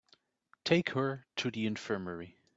Take her to the infirmary.